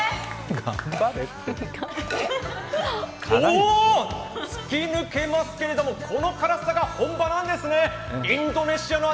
おおっ、突き抜けますけれども、この辛さが本場なんですね、インドネシアの味